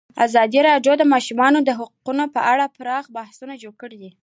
ازادي راډیو د د ماشومانو حقونه په اړه پراخ بحثونه جوړ کړي.